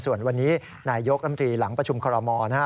ส่วนวันนี้นายยกน้ำตีหลังประชุมคอลโมน